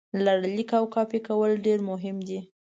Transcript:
لړلیک او کاپي کول ډېر مهم دي.